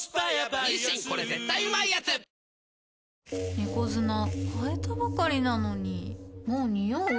猫砂替えたばかりなのにもうニオう？